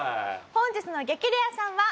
本日の激レアさんは。